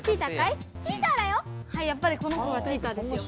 はいやっぱりこの子がチーターですよ。